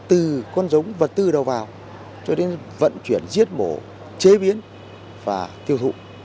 từ con giống vật tư đầu vào cho đến vận chuyển giết mổ chế biến và tiêu thụ